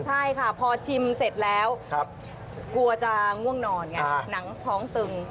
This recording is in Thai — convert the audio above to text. ใช่ค่ะพอชิมเสร็จแล้วกลัวจะง่วงนอนไงหนังท้องตึง